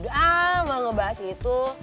udah ah mau ngebahas itu